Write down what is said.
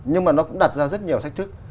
nhưng mà nó cũng đặt ra rất nhiều thách thức